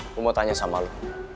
aku mau tanya sama lo